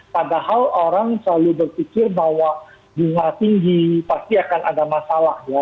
padahal orang selalu berpikir bahwa bunga tinggi pasti akan ada masalah ya